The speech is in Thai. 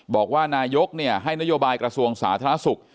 บอกว่านายกให้นโยบายกระทรวงสาธารณสุข